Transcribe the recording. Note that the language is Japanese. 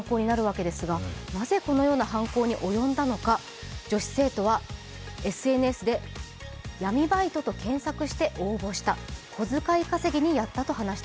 この犯行は大阪での犯行になるわけですがなぜ、このような犯行に及んだのか女子生徒はＳＮＳで、闇バイトと検索して応募した。